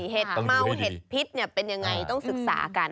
เห็ดเมาเห็ดพิษเป็นยังไงต้องศึกษากัน